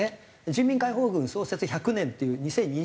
人民解放軍創設１００年っていう２０２７年。